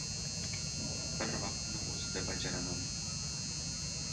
Bir vaqtni o‘zida bajaraman.